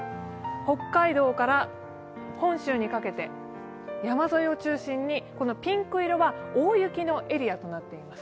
北海道から本州にかけて山沿いを中心にこのピンク色は大雪のエリアとなっています。